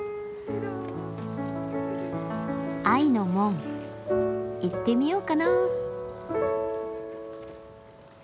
愛の門行ってみようかな。